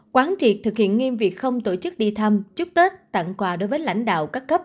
quán triệt thực hiện nghiêm việc không tổ chức đi thăm chúc tết tặng quà đối với lãnh đạo các cấp